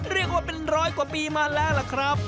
เรียกว่าเป็นร้อยกว่าปีมาแล้วล่ะครับ